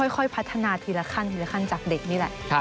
ค่อยพัฒนาทีละขั้นจากเด็กนี่แหละ